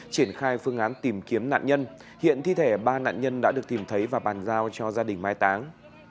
triển khai phương án tìm kiếm nạn nhân hiện thi thể ba nạn nhân đã được tìm thấy và bàn giao cho gia đình mai táng